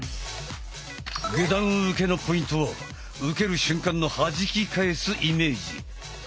下段受けのポイントは受ける瞬間の弾き返すイメージ。